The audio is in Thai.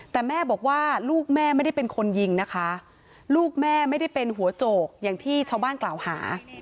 แต่แม่บอกว่าลูกแม่ไม่ได้เป็นคนยิงนะคะลูกแม่ไม่ได้เป็นหัวโจกอย่างที่ชาวบ้านกล่าวหา